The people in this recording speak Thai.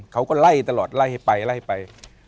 เขาก็ไล่ตลอดไล่ให้ไปไล่ไป